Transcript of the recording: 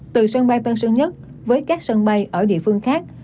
từ sân bay tân sơn nhất với các sân bay ở địa phương khác